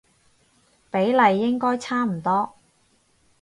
比例應該差唔多